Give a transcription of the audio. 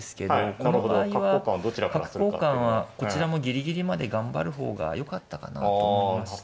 この場合は角交換はこちらもぎりぎりまで頑張る方がよかったかなと思いまして。